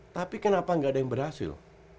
tapi kenapa nggak ada yang berhasil